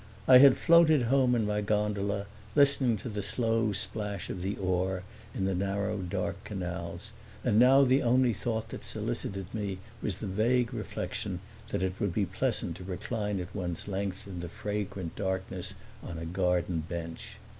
I had floated home in my gondola, listening to the slow splash of the oar in the narrow dark canals, and now the only thought that solicited me was the vague reflection that it would be pleasant to recline at one's length in the fragrant darkness on a garden bench.